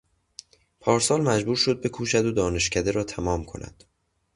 پارسال مجبور شد بکوشد و دانشکده را تمام کند.